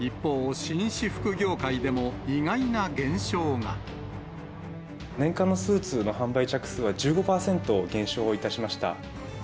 一方、年間のスーツの販売着数は、１５％減少いたしました。